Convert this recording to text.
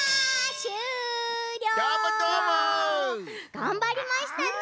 がんばりましたね。